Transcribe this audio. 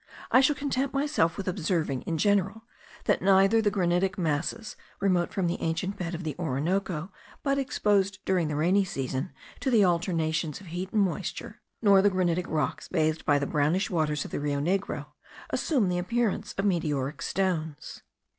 I shall content myself with observing, in general, that neither the granitic masses remote from the ancient bed of the Orinoco, but exposed during the rainy season to the alternations of heat and moisture, nor the granitic rocks bathed by the brownish waters of the Rio Negro, assume the appearance of meteoric stones.